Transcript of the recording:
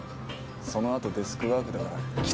そのあとデスクワークだからきついよ。